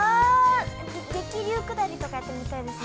◆激流下りとか、やってみたいですね。